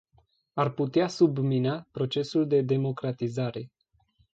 Ar putea submina procesul de democratizare.